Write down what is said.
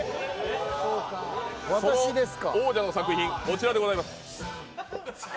その王者の作品こちらでございます。